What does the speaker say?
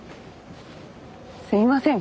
すいません